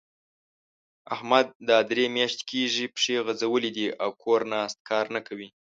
احمد دا درې مياشتې کېږي؛ پښې غځولې دي او کور ناست؛ کار نه کوي.